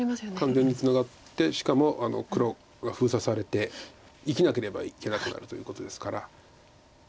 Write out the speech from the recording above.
完全にツナがってしかも黒が封鎖されて生きなければいけなくなるということですから。